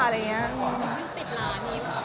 เขากิดลาเนี้ย